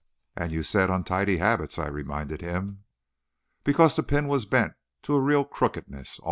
"And you said untidy habits," I reminded him. "Because the pin was bent to a real crookedness.